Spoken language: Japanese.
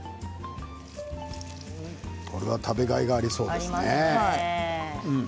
これは食べがいがありそうですね。